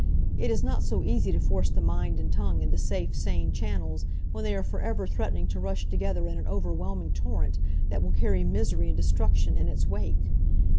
It is not so easy to force the mind and tongue into safe, sane channels when they are forever threatening to rush together in an overwhelming torrent that will carry misery and destruction in its wake.